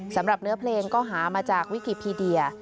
สำหรับเนื้อเพลงก็หามาจากวิกิพีเดีย